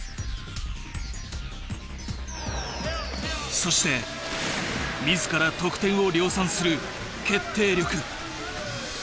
そして自ら得点を量産する決定力！